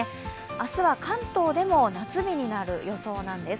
明日は関東でも夏日になる予想なんです。